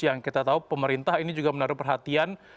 yang kita tahu pemerintah ini juga menaruh perhatian